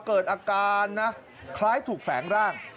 เกิดอาการนะคล้ายถูกแฝงร่าง